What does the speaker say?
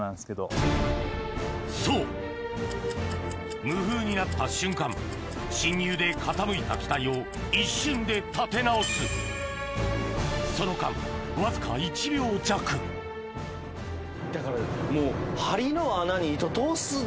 そう無風になった瞬間進入で傾いた機体を一瞬で立て直すその間わずか１秒弱だからもう。